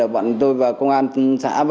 bọn tôi và công an xã